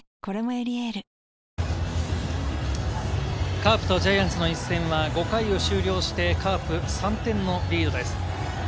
カープとジャイアンツの一戦は５回を終了して、カープが３点のリードです。